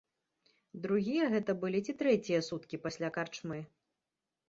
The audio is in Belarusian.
Другія гэта былі ці трэція суткі пасля карчмы?